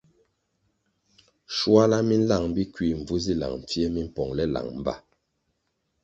Shuala mi nlang Bikui mbvu zi lang pfie mimpongʼle lang mba.